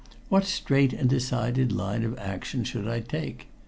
What straight and decided line of action should I take?